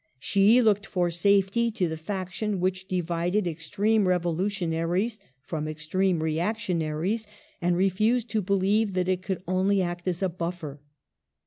She looked for safety to the fac tion which divided extreme revolutionaries from extreme reactionaries, and refused to believe that it could only act as a buffer.